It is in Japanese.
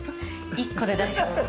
１個で大丈夫です。